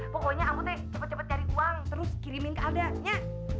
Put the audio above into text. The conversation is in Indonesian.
pokoknya ambu teh cepet cepet cari uang terus kirimin ke alda nya